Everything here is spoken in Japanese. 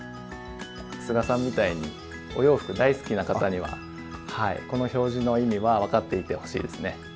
須賀さんみたいにお洋服大好きな方にはこの表示の意味は分かっていてほしいですね。